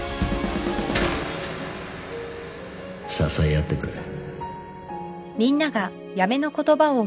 支え合ってくれおい！